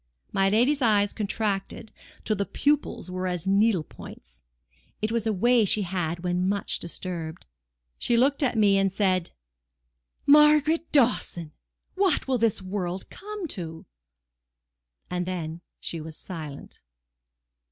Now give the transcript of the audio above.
My lady's eyes contracted till the pupils were as needle points; it was a way she had when much disturbed. She looked at me and said— "Margaret Dawson, what will this world come to?" And then she was silent.